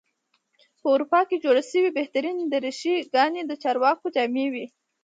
په اروپا کې جوړې شوې بهترینې دریشي ګانې د چارواکو جامې وې.